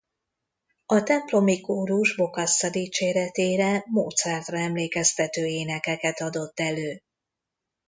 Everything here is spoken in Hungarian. A templomi kórus Bokassa dicséretére Mozartra emlékeztető énekeket adott elő.